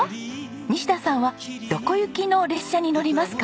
西田さんはどこ行きの列車に乗りますか？